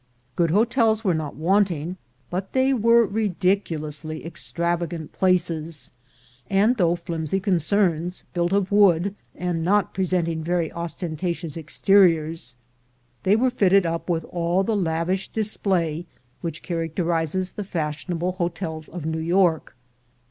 Good hotels were not wanting, but they were ridiculously extravagant places; and though flimsy concerns, built of wood, and not presenting very os tentatious exteriors, they were fitted up with all the lavish display which characterizes the fashionable ho tels of New York.